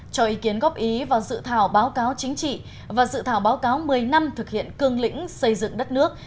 cho ý kiến góp ý vào dự thảo báo cáo chính trị và dự thảo báo cáo một mươi năm thực hiện cương lĩnh xây dựng đất nước